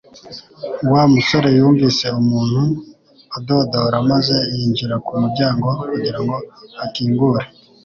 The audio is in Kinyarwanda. Wa musore yumvise umuntu adodora maze yinjira ku muryango kugira ngo akingure